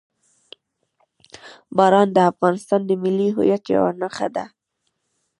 باران د افغانستان د ملي هویت یوه نښه ده.